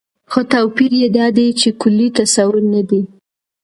خو توپير يې دا دى، چې کلي تصور نه دى